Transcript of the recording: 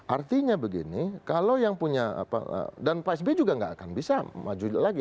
artinya begini kalau yang punya dan pak sby juga nggak akan bisa maju lagi